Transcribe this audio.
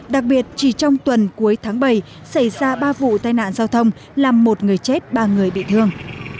đặc biệt chỉ trong tuần cuối tháng bảy xảy ra ba vụ tai nạn giao thông làm một người chết ba người bị thương